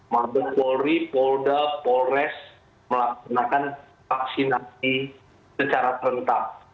mabes polri polda polres melaksanakan vaksinasi secara terentak